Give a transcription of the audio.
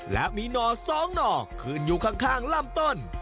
และมีหน่อ๒หน่อขึ้นอยู่ข้างลำต้น